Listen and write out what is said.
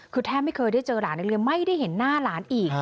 คือแทบไม่เคยได้เจอหลานนักเรียนไม่ได้เห็นหน้าหลานอีก